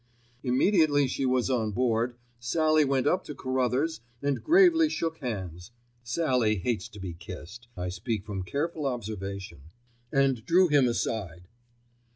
Immediately she was on board, Sallie went up to Carruthers and gravely shook hands (Sallie hates being kissed, I speak from careful observation), and drew him aside.